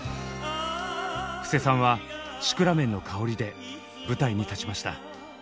布施さんは「シクラメンのかほり」で舞台に立ちました。